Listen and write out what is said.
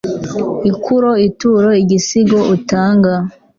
Ikoro ituro igisigo utanga